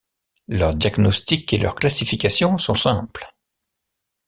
Leur diagnostic et leur classification sont simples.